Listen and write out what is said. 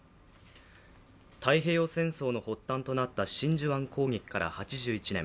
太平洋戦争の発端となった真珠湾攻撃から８１年。